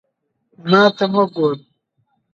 ما ته مه ګوره!